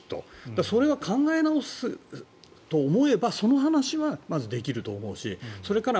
それは考え直すと思えばその話はまずできると思うしそれから